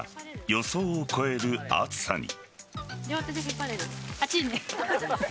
予想を超える暑さに。